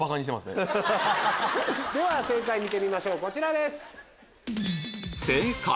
では正解見てみましょうこちらです。